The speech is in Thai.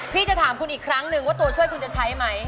พี่จะถามคุณอีกครั้งนึงว่าตัวช่วยคุณจะใช้ไหม